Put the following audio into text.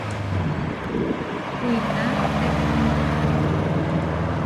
Kuitá tetemúre čuhčúri.